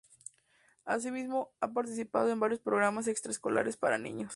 Asimismo, ha participado en varios programas extraescolares para niños.